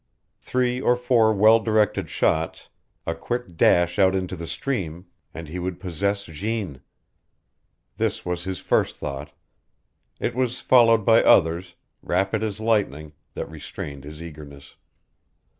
Three or four well directed shots, a quick dash out into the stream, and he would possess Jeanne. This was his first thought. It was followed by others, rapid as lightning, that restrained his eagerness.